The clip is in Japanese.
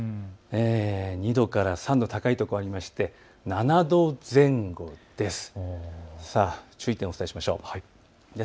２度から３度高い所ありまして７度前後です。